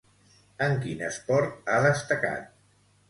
En quin esport ha destacat?